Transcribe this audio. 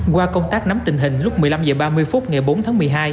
qua công tác nắm tình hình lúc một mươi năm h ba mươi phút ngày bốn tháng một mươi hai